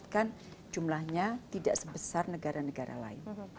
kita harus mengingatkan jumlahnya tidak sebesar negara negara lain